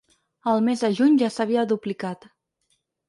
Al mes de juny ja s’havia duplicat.